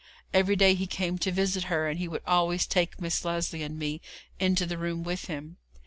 Every day he came to visit her, and he would always take Miss Lesley and me into the room with him.